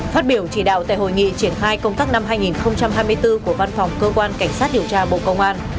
phát biểu chỉ đạo tại hội nghị triển khai công tác năm hai nghìn hai mươi bốn của văn phòng cơ quan cảnh sát điều tra bộ công an